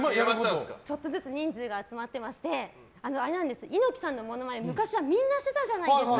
ちょっとずつ人数が集まっていまして猪木さんのものまね昔はみんなしていたじゃないですか。